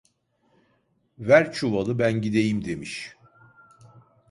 'Ver çuvalı ben gideyim' demiş.